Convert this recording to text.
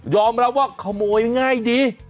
รับว่าขโมยง่ายดี